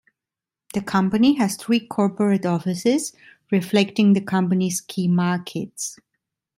The company has three corporate offices reflecting the company's key markets.